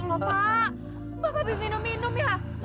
bapak pergi minum minum ya